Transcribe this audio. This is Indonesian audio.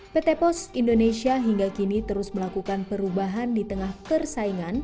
pt pos indonesia hingga kini terus melakukan perubahan di tengah persaingan